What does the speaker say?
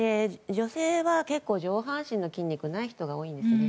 女性は結構上半身の筋肉がない人が多いんですね。